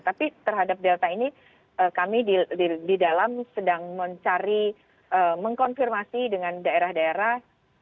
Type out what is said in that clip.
tapi terhadap delta ini kami di dalam sedang mencari mengkonfirmasi dengan daerah daerah